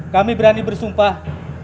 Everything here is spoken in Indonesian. kami berani bersumpah